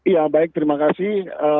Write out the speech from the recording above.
ya baik terima kasih